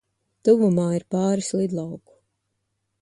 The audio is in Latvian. Tuvumā ir pāris lidlauku.